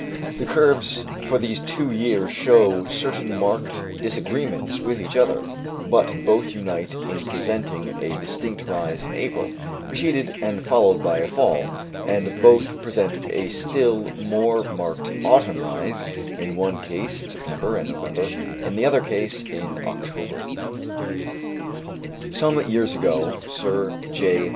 The curves for these two years show certain marked disagreements with each other, but both unite in presenting a distinct rise in April, preceded and followed by a fall, and both present a still more marked autumn rise, in one case in September and November, in the other case in October. Some years ago, Sir J.